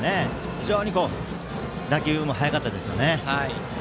非常に打球も速かったですね。